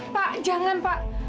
pak jangan pak